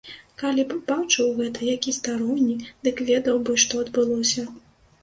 Калі б бачыў гэта які старонні, дык ведаў бы, што адбылося.